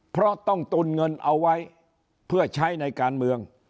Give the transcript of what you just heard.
เพราะต้องตุนเงินเอาไว้เพื่อใช้ในการเมือง